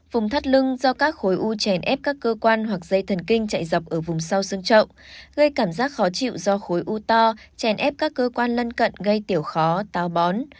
vùng thắt lưng do các khối u chèn ép các cơ quan hoặc dây thần kinh chạy dọc ở vùng sâu xương trậu gây cảm giác khó chịu do khối u to chèn ép các cơ quan lân cận gây tiểu khó bón